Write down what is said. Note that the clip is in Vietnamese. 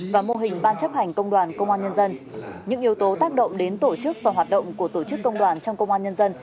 và mô hình ban chấp hành công đoàn công an nhân dân những yếu tố tác động đến tổ chức và hoạt động của tổ chức công đoàn trong công an nhân dân